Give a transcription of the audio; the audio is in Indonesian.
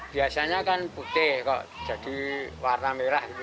biasanya kan putih kok jadi warna merah gitu